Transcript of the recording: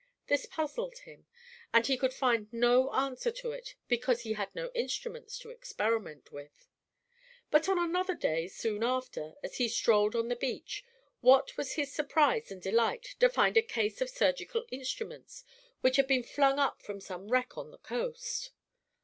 This puzzled him, and he could find no answer to it, because he had no instruments to experiment with. But on another day, soon after, as he strolled on the beach, what was his surprise and delight to find a case of surgical instruments, which had been flung up from some wreck on the coast!